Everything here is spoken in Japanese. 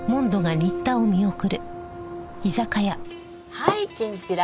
はいきんぴら。